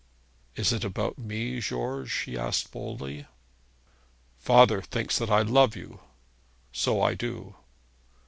'Is it about me, George?' she asked boldly. 'Father thinks that I love you: so I do.'